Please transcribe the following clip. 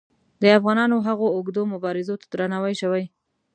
د افغانانو هغو اوږدو مبارزو ته درناوی شوی.